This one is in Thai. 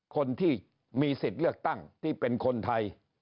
คนที่มีสิทธิ์เลือกตั้งที่เป็นคนไทย